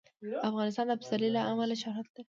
افغانستان د پسرلی له امله شهرت لري.